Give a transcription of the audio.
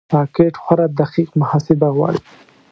راکټ خورا دقیق محاسبه غواړي